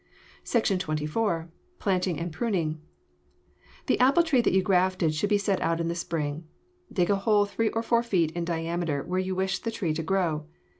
[Illustration: BOTH BUSY STORING APPLES] SECTION XXIV. PLANTING AND PRUNING The apple tree that you grafted should be set out in the spring. Dig a hole three or four feet in diameter where you wish the tree to grow.